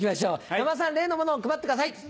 山田さん例のものを配ってください。